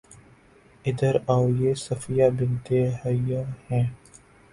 ادھر آؤ، یہ صفیہ بنت حیی ہیں